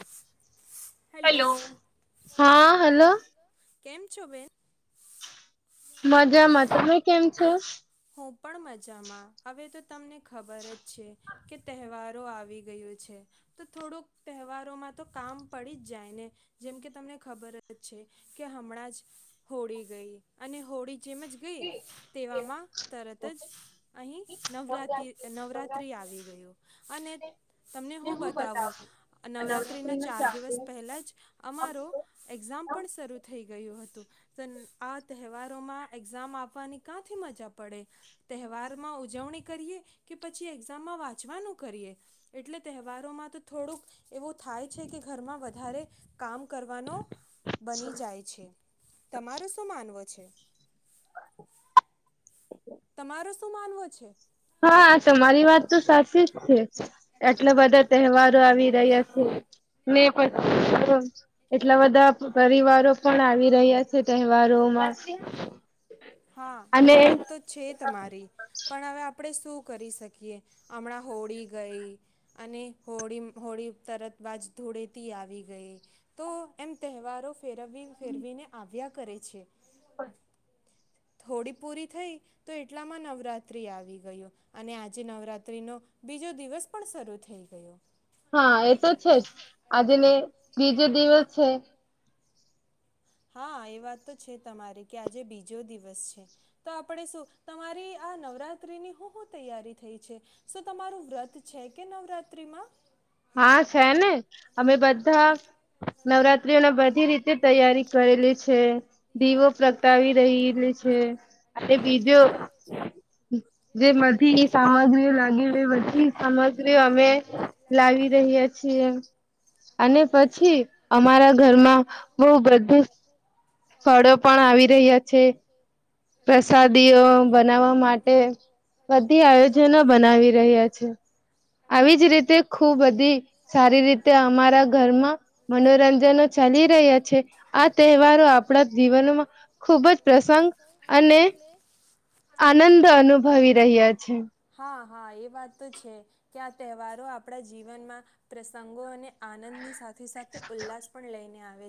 [inaudible] Hello hello હા hello કેમ [unintelligible] મજામાં તમે કેમ છો હું પણ મજામાં હવે તો તમને ખબર જ છે, કે તહેવારો આવી ગયો છે, તો થોડુંક તહેવારોમાં તો કામ પડી જ જાય ને જેમ કે તમને ખબર જ છે, કે હમણાં જ હોળી ગઈ અને હોળી જેમ જ ગઈ તેવામાં તત જ અહીં નવરા નવરાત્રિ આવી ગું અને તમને શું બતાવું નવરાત્રિના ચાર દિવસ પહેલા જ અમારો એક્ઝામ પણ શરૂ થઈ ગયું હતું. તહેવારોમાં એક્ઝામ આપવાની ક્યાંથી મજા પ પડે તહેવારમાં ઉજવણી કરીએ કે પછી એક્ઝામમાં વાંચવાનું કરીએ એટલે તહેવારોમાં તો થોડુંક એવું થાય છે કે ઘરમાં વધારે કામ કરવાનો બની જાય છે તમારું શું માનવું છે? [inaudible] તમારો શું માનવું છે હા તમારી વાત તો સાચી જ છે એટલા બધા તહેવારો આવી રહ્યા છે ને પછી એટલા બધા પરિવારો પણ આવી રહ્યા છે તહેવારોમાં હા એ અને- વાત તો છે તમારી પણ હવે આપણે શું કરી શકીએ હમણાં હોળી ગઈ અને હોળી હોળી તરત બાજ ધૂળેથી આવી ગઈ તો એમ તહેવારો ફેરવી ફેરવીને આવ્યા કરે છે. થોડી પૂરી થઈ તો એટલામાં નવરાત્રિ આવી ગું અને આજે નવરાત્ર્રીનો બીજો દિવસ પણ શરૂ થઈ ગયો. હા એ તો છે જ આજે ને બીજો દિવસ છે હા એ વાત તો છે તમારી કે આજે બીજો દિવસ છે તો આપણે શું તમારી આ નવરાત્રીની શું શું તૈયારી થઈ છે શ તમારું વ્રત છે કે નવરાત્રીમાં? હા છે ને અમે બધા નવરાત્રીઓને બધી રીતે તૈયારી કરેલી છે દીવો પ્રગટાવી રહેલી છે. અને બીજું જે બધી સામગ્રીઓ લાગી એ બધી સામગ્રીઓ અમે લાવી રહ્યા છીએ અને પછી અમારા ઘરમાં બહ બધું ફળો પણ આવી રહ્યા છે. પ્રસાદીઓ બનાવા માટે બધી આયોજનો બનાવી રહ્યા છે આવીજ રીતે ખુબ બધી સારી રીતે અમારા ઘરમાં મનોરંજનો ચાલી રહ્યા છે આ તહેવારો આપણા જીવનમાં ખુબ જ પ્રસંગ અને આનંદ અનુભવી રહ્યા છે. હા હા એ વાત તો છે કે આ તહેવારો આપણા જીવનમાં પ્રસંગોને આનંદની સાથે સાથે ઉલ્લાસ પણ લઈને આવે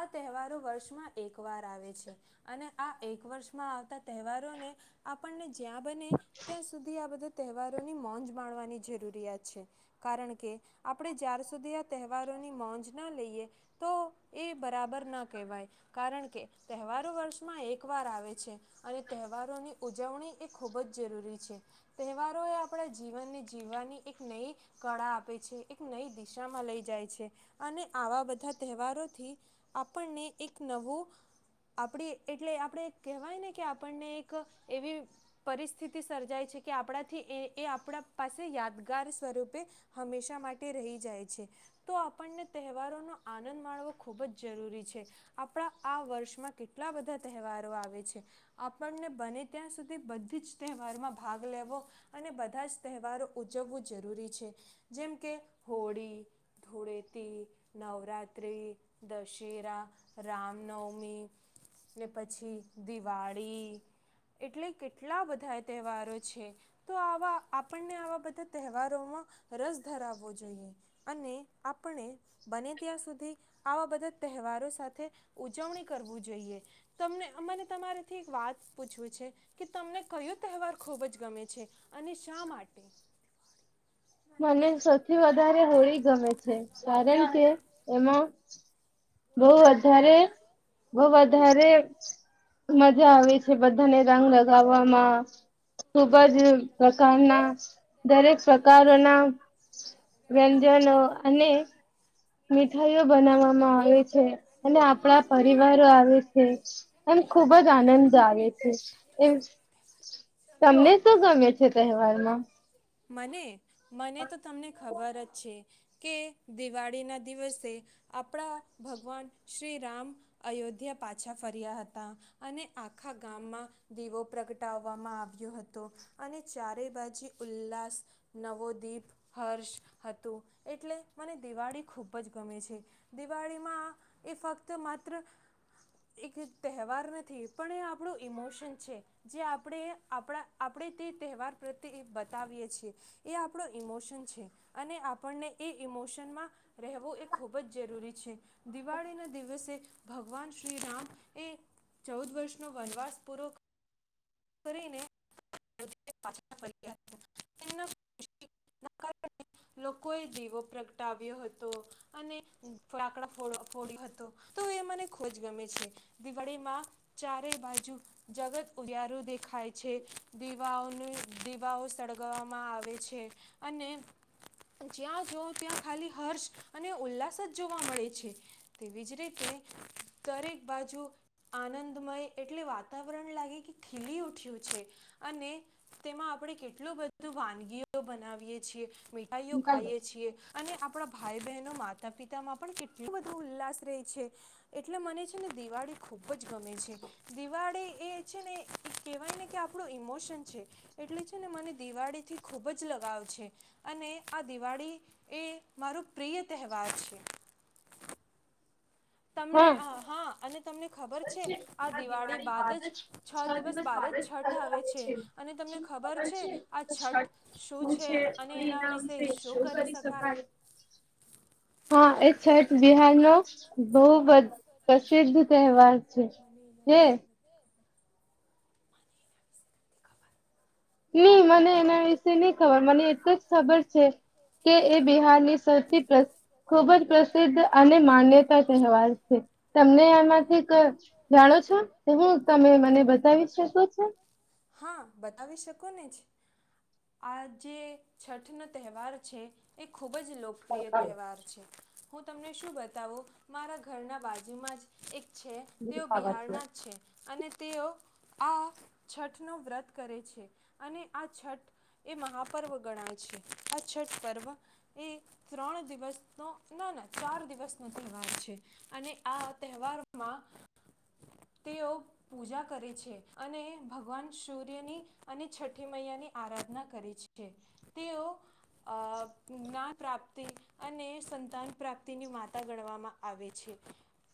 આ તહેવારો વર્ષમાં એક વાર આવે છે અને આ એક વર્ષ માં આવતા તહેવારોને આપણને જ્યાં બને ત્યાં સુધી આ બધા તહેવારોની મ મોજ માણવાની જરૂરિયાત છે કારણ કે આપણે જ્યાર સુધી આ તહેવારોની મોજ ના લઈએ તો એ બરાબર ના કહેવાય કારણ કે તહેવારો વર્ષમાં એક વાર આવે છે. અને તહેવારોની ઉજવણી એ ખૂબ જ જરૂરી છે તહેવારો એ આપણા જીવનને જીવવાની એક નઈ કળા આપે છે એક નઈ દિશામાં લઈ જાય છે. અને આવા બધા તહેવારોથી આપણને એક નવું આપણે એટલે આપણે કહેવાય ને કે આપણને એક એવી પરિસ્થિતિ સર્જાય છે કે આપણાથી એ એ આપણા પાસે યાદગાર સ્વરૂપે હંમેશા માટે રહી જાય છે તો આપણને તહેવારોનો આનંદ માણવો ખૂબ જ જરૂરી છે આપણા આ વર્ષમાં કેટલા બધા તહેવારો આવે આવે છે આપણને બને ત્યાં સુધી બધી જ તહેવારમાં ભાગ લેવો અને બધા જ તહેવારો ઉજવવું જરૂરી છે જેમ કે હોળી ધૂળેતી નવરાત્રિ દશેરા રામનવમી ને પછી દિવાળી એટલે કેટલા બધા તહેવારો છે તો આવા આપણને આવા બધા તહેવારોમાં રસ ધરાવવો જોઈએ અને આપણે બને ત્યાં સુધી આવા બધા તહેવારો સાથે ઉજવણી કરવીું જોઈએ તમને અને તમારેથી વાત પૂછું છે કે તમને કયો તહેવાર ખુબ જ ગમે છે? અને શા માટે મને સૌથી વધારે હોળી ગમે છે કારણ કે એમાં બહું વધારે બહું વધારે મજા આવે છે બધાને રંગ લગાવવામાં ખુબજ પ્રકારના દરેક પ્રકારોના વ્યંજનો અને મીઠાઈઓ બનાવવામાં આવે છે અને આપણા પરિવારો આવે છે એમ ખુબ જ આનંદ આવે છે એમ તમને શું ગમે છે તહેવારમાં. મને મને તો તમને ખબર જ છે કે દિવાળીના દિવસે તે આપણા ભગવાન શ્રીરામ અયોધ્યા પાછા ફર્યા હતા અને આખા ગામમાં દીવો પ્રગટાવવામાં આવ્યો હતો અને ચારે બાજુ ઉલ્લાસ નવો દીપ હર્ષ હતું એટલે મને દિવાળી ખૂબ જ ગમે છે દિવાળીમાં એ ફક્ત માત્ર એક તહેવાર નથી પણ એ આપણું ઇમોશન છે જે આપણે આપણા આપણે તે તહેવાર પ્રત્યે એ બતાવીએ છીએ એ આપણો ઇમોશન છે અને આપણને એ ઇમોશનમાં રહેવું એક ખૂબ જ જરૂરી છે. દિવાળીના દિવસે ભગવાન શ્રીરામ એ ચૌદ વર્ષનો વનવાસ પૂરો લોકોએ દીવો પ્રગટાવ્યો હતો અને ફટાકડા ફો ફોડ્યો હતો તો એ મને ખોજ ગમે છે દિવાળીમાં ચારેય બાજુ જગત ઉાર ખાય છે દીવાઓને દીવાઓ સળગાવવામાં આવે છે અને જ્યાં જઓ ત્યાં ખાલી હર્ષ અને ઉલ્લાસ જ જોવા મળે છે તેવીજ રીતે દરેક બાજુ આનંદમય એટલે વાતાવરણ લાગે કે ખીલી ઉઠ્યું છે અને તેમાં આપણે કેટલું બધું વાનગીઓ બનાવીય છીએ. મીઠાઈઓ ખાઈએ છીએ અને આપણા ભાઈ બહેનો માતા પિતામાં પણ કેટલું બધું ઉલ્લાસ રહે છે. એટલે મને છે ને દિવાળી ખૂબ જ ગમે છે. દિવાળી એ છે એ કહેવાય ને કે આપણું ઇમોશન છે એટલે છે ને મને દિવાળીથી ખૂબ જ લગાવ છે અને આ દિવાળી એ મારો પ્રિય તહેવાર છે. તમને હા અને તમને ખબર છે આ દિવાળી બાદ જ છ દિવસ બાદ જ છઠ આવે છે અને તમને ખબર છે આ છઠ શું છે અને એના વિશે શું કરી શકાય હા એ શાયદ બિહારનો બહુ પજ પ્રસિદ્ધ તહેવાર છે એ નહી મને એના વિશે નહી ખબર મને એટલુ જ ખબર છે. કે એ બિહારની સૌથી પ્રસ ખુબ જ પ્રસિદ્ધ અને માન્યતા તહેવાર છે તમને આમાંથી કય જાણો છો કે હું તમે મને બતાવી શકો છો. હા બતાવી શકો ને જ આ જે છઠનો તહેવાર છે. એક ખૂબ જ લોકપ્રિય તહેવાર છે. હું તમને શું બતાવું મારા ઘરના બાજુમાં જ એક છે તેઓ બિહારના જ છે. અને તેઓ આ છઠનો વ્રત કરે છે અને આ છઠ એ મહાપર્વ ગણાય છે આ છઠ પર્વ એ ત્રણ દિવસનો ના ના ચાર દિવસ નો તહેવાર છે અને આ તહેવારમાં તેઓ પૂજા કરે છે અને ભગવાન સૂર્યની અને છઠી મૈયાની આરાધના કરે છે. છે તેઓ અ આ પ્રાપ્તિ અને સંતાન પ્રાપ્તિની માતા ગણવામાં આવે છે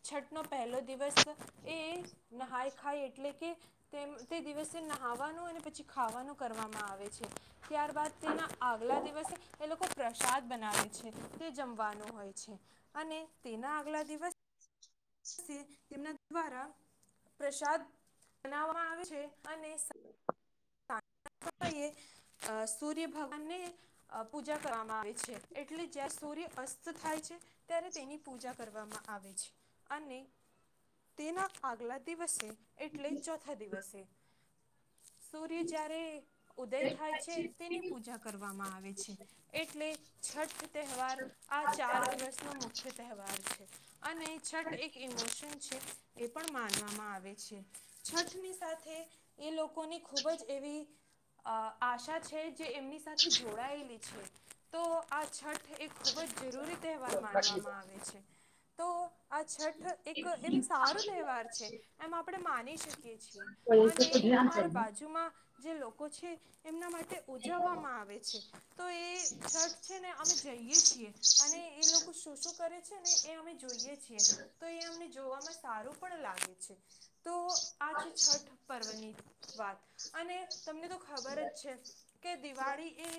છઠ નો પહેલો દિવસ એ નહાય ખાય એટલે કે તેમ તે દિવસે નહાવાનું અને પછી ખાવાનું કરવામાં આવે છે. ત્યારબાદ તેના આગલા દિવસે એ લોકો પ્રસાદ બનાવે છે તે જમવાનું હોય છે અને તેના આગલા દિવસ છે તેમના દ્વારા પ્રસાદ બનાવવામાં આવે છે અને સૂર્ય ભગવાનને અ પૂજા કરવામાં આવે છે એટલે જ્યાં સૂર્ય અસ્ત થાય છે ત્યારે તેની પૂજા કરવામાં આવે છે અને તેના આગલા દિવસે એટલે ચોથા દિવસે જ્યારે ઉદય થાય છે તેની પૂજા કરવામાં આવે છે એટલે છઠ તહેવાર આ ચાર દિવસનો મુખ્ય તહેવાર છે. અને છઠ એક ઇમોશન છે. એ પણ માનવામાં આવે છે. છઠની સાથે એ લોકો કોને ખૂબ જ અ આશા છે. જે એમની સાથે જોડાયેલી છે. તો આ છઠ એ ખૂબ જ જરૂરી તહેવાર માનવામાં આવે છે. તો આ છઠ એક એમ સારો તહેવાર છે એમ આપણે માની શકીએ છીએ અને અમારા બાજુમાં જે લોકો છે એમના માટે ઉજવવામાં આવે છે તો એ શર્ટ છે ને અમે જઈએ છીએ અને એ લોકો શું શું કરે છે ને એ અમે જોઈએ છીએ તો એ અમને. જોવામાં સારું પણ લાગે છે. તો આ છે છઠ પર્વની વાત. અને. તમને તો ખબર જ છે કે દિવાળી એ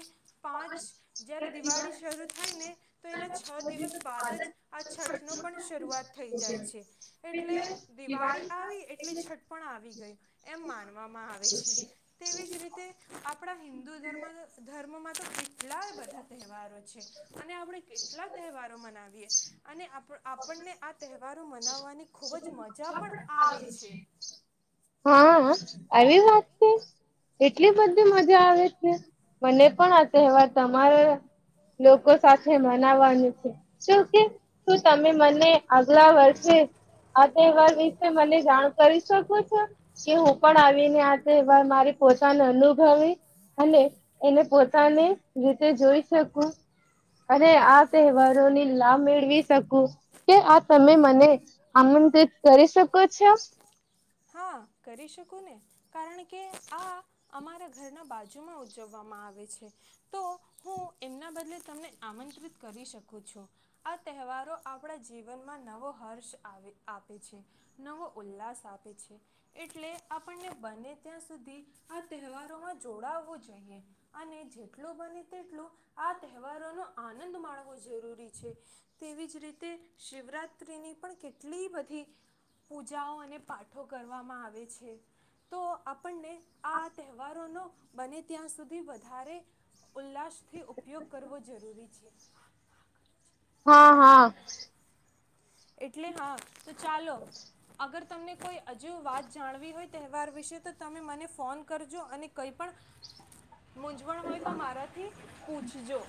પાંચ જ્યારે દિવાળી શરૂ થાય ને તો એના છ દિવસ બાદ જ આ છઠનો પણ શરૂઆત થઈ જાય છે એટલે દિવાળી આવી એટલી છઠ પણ આવી ગયું એમ માનવામાં આવે છે. તેવી જે રીતે. આપણા હિન્દુ ધર્મ ધર્મમાં. તો કેટલા બધા તહેવારો છે અને આપણે કેટલા તહેવારો મનાવીએ અને આપણને આ તહેવારો મનાવવાની ખૂબ જ મજા પણ આવે છે. હા આવી વાત એટલી બધી મજા આવે છે મને પણ. તહેવાર તમારા લોકો સાથે મનાવાનું છે શું કે શું તમે મને આગલા વર્ષે આ તહેવાર વિશે મને જાણ કરી શકો છો કે હું પણ આવીને આ તહેવાર મારી પોતાને અનુભવી અને એને પો. પોતાની રીતે જોઈ શકું અને આ તહેવારોની લાભ મેળવી શકું કે આ તમે મને આમંત્રિત કરી શકો છો. હા કરી શકું ને કારણ કે આ અમારા ઘરના બાજુમાં ઉજવવામાં આવે છે તો હું એમના બદલે તમને આમંત્રિત કરી શકું છું આ તહેવારો આપણા જીવનમાં નવો હર્ષ આપે છે નવો ઉલ્લાસ આપે છે. એટલે આપણને બને ત્યાં સુધી આ તહેવારોમાં જોડાવવું જોઈએ અને જેટલોું બને તેટલોું આ તહેવારોનો આનંદ માણવો જરૂરી છે તેવી જ રીતે શિવરાત્રિની પણ કેટલી બધી પૂજાઓ અને પાઠો કરવામાં આવે. તો આપણને આ તહેવારોનો બને ત્યાં સુધી વધારે ઉલ્લાસથી ઉપયોગ કરવો જરૂરી છે. હા હા. એટલે હા. તો ચાલો અગર. તમને કોઈ હજીુ વાત જાણવી હોય તહેવાર વિશે તો તમે મને ફોન કરજો અને કંઈ પણ. મૂઝવણ હોય તો મારાથી પૂછજો.